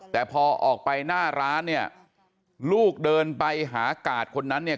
แต่พอออกไปหน้าร้านเนี่ยลูกเดินไปหากาดคนนั้นเนี่ย